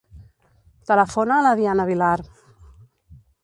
Telefona a la Diana Vilar.